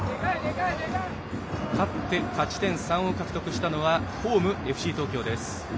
勝って、勝ち点３を獲得したのはホーム、ＦＣ東京です。